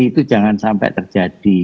itu jangan sampai terjadi